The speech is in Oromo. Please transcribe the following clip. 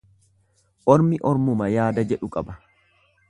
Ormi ormuma yaada jedhu qaba.